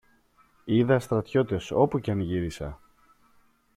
Είδα στρατιώτες όπου και αν γύρισα.